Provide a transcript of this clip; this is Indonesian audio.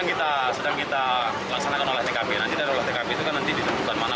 nanti dari olah tkp itu kan nanti ditentukan mana barang barangnya akan dibawa